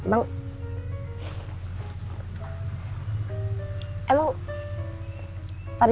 aku akan mencari